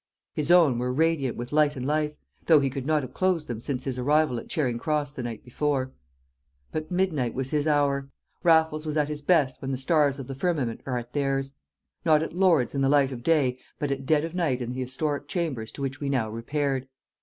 His own were radiant with light and life, though he could not have closed them since his arrival at Charing Cross the night before. But midnight was his hour. Raffles was at his best when the stars of the firmament are at theirs; not at Lord's in the light of day, but at dead of night in the historic chambers to which we now repaired.